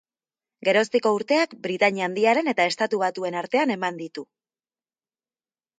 Geroztiko urteak Britainia Handiaren eta Estatu Batuen artean eman ditu.